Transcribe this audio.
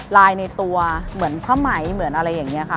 ลายในตัวเหมือนผ้าไหมเหมือนอะไรอย่างนี้ค่ะ